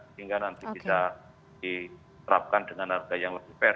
sehingga nanti bisa diterapkan dengan harga yang lebih fair